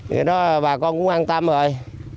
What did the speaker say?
thì đó bà con cũng an tâm rồi